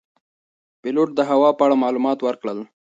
پیلوټ د هوا په اړه معلومات ورکړل.